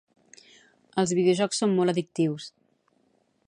Els videojocs són molt addictius